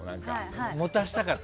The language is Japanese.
それを持たせたかった。